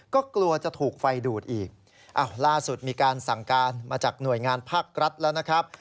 ก็กลัวจะถูกไฟดูดอีกล่าสุดมีการสั่งการมาจากหน่วยงานภาครัฐแล้วนะครับ